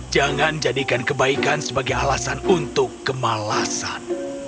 jangan jadikan kebaikan sebagai alasan untuk kemalasan